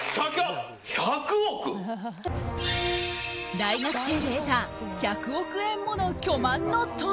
大学生で得た１００億円もの巨万の富。